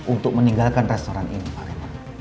untuk meninggalkan restoran ini pak rena